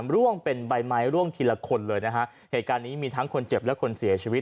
ร่วงเป็นใบไม้ร่วงทีละคนเลยนะฮะเหตุการณ์นี้มีทั้งคนเจ็บและคนเสียชีวิต